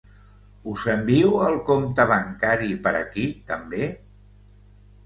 Us envio el compte bancari per aquí també?